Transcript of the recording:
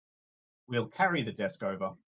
We'll carry the desk over.